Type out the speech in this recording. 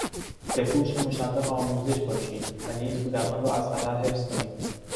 بکوش که مشوق آموزش باشی و نیز کودکان را از خطر حفظ کنی.